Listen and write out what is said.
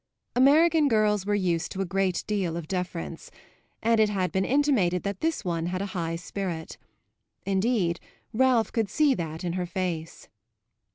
American girls were used to a great deal of deference, and it had been intimated that this one had a high spirit. Indeed Ralph could see that in her face.